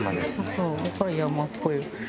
そう岡山っぽい。